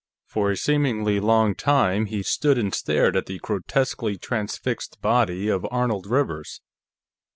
For a seemingly long time he stood and stared at the grotesquely transfixed body of Arnold Rivers.